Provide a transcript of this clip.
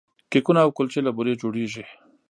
کیکونه او کلچې له بوري جوړیږي.